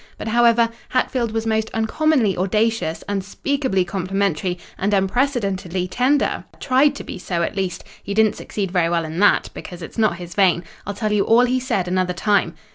But, however, Hatfield was most uncommonly audacious, unspeakably complimentary, and unprecedentedly tender—tried to be so, at least—he didn't succeed very well in that, because it's not his vein. I'll tell you all he said another time."